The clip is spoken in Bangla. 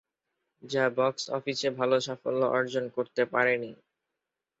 যা বক্স অফিসে ভালো সাফল্য অর্জন করতে পারেনি।